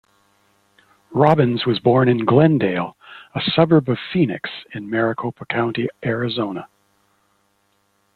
Robbins was born in Glendale, a suburb of Phoenix in Maricopa County, Arizona.